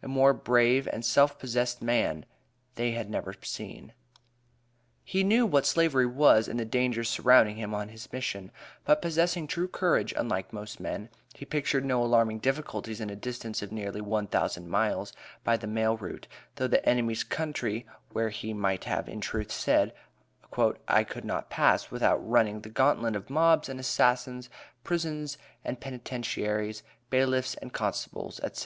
A more brave and self possessed man they had never seen. He knew what Slavery was and the dangers surrounding him on his mission, but possessing true courage unlike most men, he pictured no alarming difficulties in a distance of nearly one thousand miles by the mail route, through the enemy's country, where he might have in truth said, "I could not pass without running the gauntlet of mobs and assassins, prisons and penitentiaries, bailiffs and constables, &c."